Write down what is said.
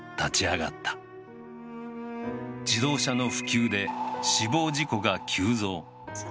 自動車の普及で死亡事故が急増。